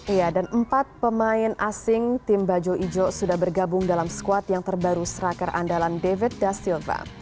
ya dan empat pemain asing tim bajo ijo sudah bergabung dalam squad yang terbaru seraker andalan david da silva